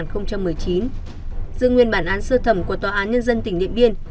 dự nguyên bàn án sơ thẩm của tòa án nhân dân tỉnh điện biên